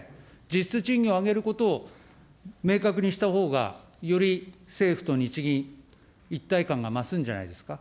実質賃金を上げることを明確にしたほうが、より政府と日銀、一体感が増すんじゃないですか。